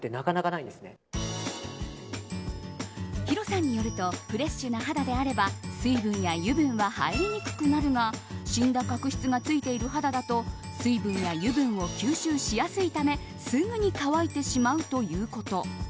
ヒロさんによるとフレッシュな肌であれば水分や油分は入りにくくなるが死んだ角質が付いている肌だと水分や油分を吸収しやすいためすぐに乾いてしまうということ。